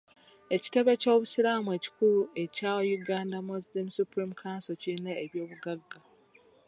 Ekitebe ky'obusiraamu ekikulu ekya Uganda Muslim Supreme Council kirina eby'obuggaga.